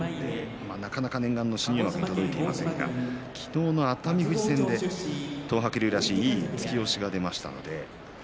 なかなか念願の新入幕に届いていませんが昨日の熱海富士戦で東白龍らしいいい突き押しが出ました。